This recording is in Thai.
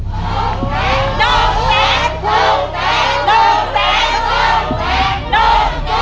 หนูแสน